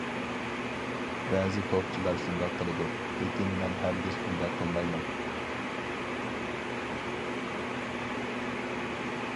بەزى توپچىلار شۇنداق قىلىدۇ، لېكىن مەن ھەرگىز ئۇنداق قىلمايمەن.